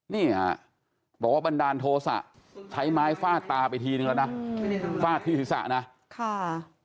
นี่บันดาลโทษ่ะใช้ไม้ฝาตาไปทีนึงว่าน่ะฝาธีศิษย์ศ่ะนะค่ะ